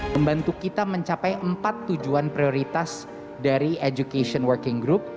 membantu kita mencapai empat tujuan prioritas dari education working group